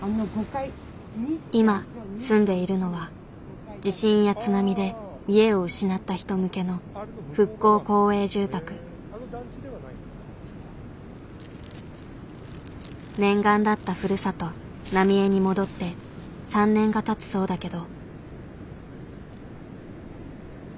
今住んでいるのは地震や津波で家を失った人向けの念願だったふるさと浪江に戻って３年がたつそうだけど。